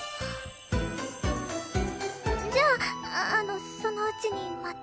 じゃああのそのうちにまた。